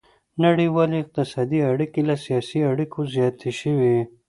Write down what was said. نړیوالې اقتصادي اړیکې له سیاسي اړیکو زیاتې شوې